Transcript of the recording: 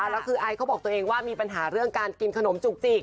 แล้วคือไอซ์เขาบอกตัวเองว่ามีปัญหาเรื่องการกินขนมจุกจิก